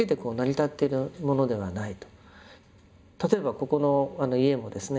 例えばここの家もですね